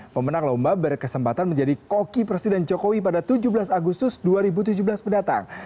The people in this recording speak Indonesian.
pemenang lomba berkesempatan menjadi koki presiden jokowi pada tujuh belas agustus dua ribu tujuh belas mendatang